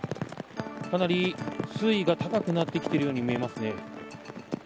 かなり、水位が高くなってきているように見えますね。